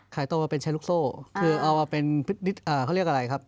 โตมาเป็นใช้ลูกโซ่คือเอามาเป็นเขาเรียกอะไรครับ